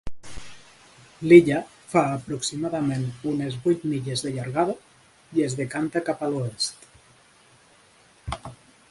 L'illa fa aproximadament unes vuit milles de llargada i es decanta cap a l'oest.